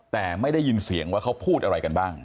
แต่ไม่ได้ยินเสียงว่าเขาพูดอะไรกันบ้าง